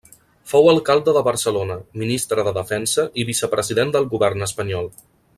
Fou alcalde de Barcelona, Ministre de Defensa i Vicepresident del Govern espanyol.